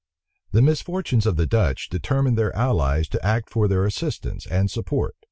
The misfortunes of the Dutch determined their allies to act for their assistance and support.